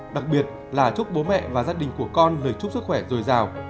đặc biệt là chúc bố mẹ và gia đình của con lời chúc sức khỏe rồi rào